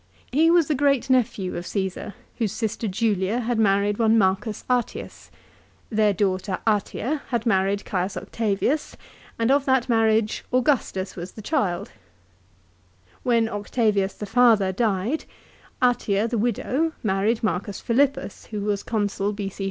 He was the great nephew of Caesar, whose sister Julia had married one Marcus Atius. Their daughter Atia had married Caius Octavius, and of that marriage Augustus was the child. CAESAR'S DEATH. 217 When Octavius the father died, Atia the widow, married Marcius Philippus who was Consul B.C.